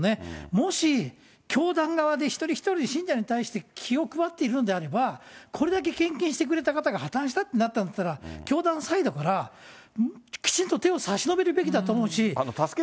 もし、教団側で一人一人、信者に対して気を配っているのであれば、これだけ献金してくれた方が破綻したってなったんだったら、教団サイドからきちんと手を差し伸べるべきだと思うし。